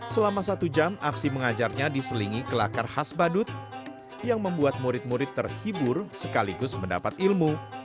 selama satu jam aksi mengajarnya diselingi kelakar khas badut yang membuat murid murid terhibur sekaligus mendapat ilmu